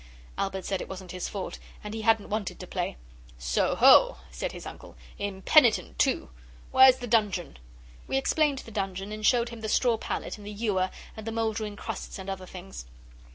Albert said it wasn't his fault, and he hadn't wanted to play. 'So ho!' said his uncle, 'impenitent too! Where's the dungeon?' We explained the dungeon, and showed him the straw pallet and the ewer and the mouldering crusts and other things.